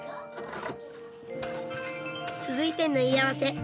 続いて縫い合わせ。